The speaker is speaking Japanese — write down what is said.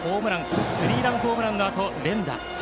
スリーランホームランのあと連打。